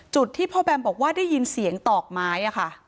ที่พ่อแบมบอกว่าได้ยินเสียงตอกไม้ค่ะ